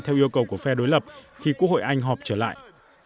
theo yêu cầu của phe đối lập khi quốc hội anh họp trở lại